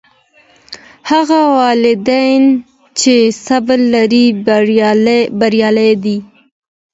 هغه والدین چي صبر لري بریالي دي.